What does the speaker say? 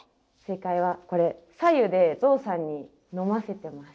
正解はこれ白湯でゾウさんに飲ませてます。